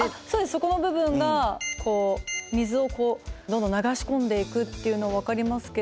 そこの部分が水をこうどんどん流し込んでいくっていうのは分かりますけど